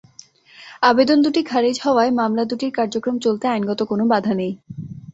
আবেদন দুটি খারিজ হওয়ায় মামলা দুটির কার্যক্রম চলতে আইনগত কোনো বাধা নেই।